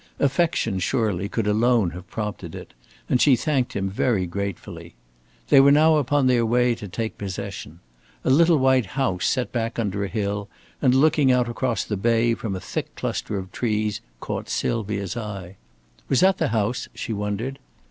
Affection, surely, could alone have prompted it; and she thanked him very gratefully. They were now upon their way to take possession. A little white house set back under a hill and looking out across the bay from a thick cluster of trees caught Sylvia's eye. Was that the house, she wondered?